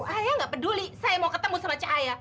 ayah gak peduli saya mau ketemu sama cahaya